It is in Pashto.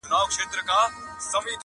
زه یې وینمه که خاص دي او که عام دي.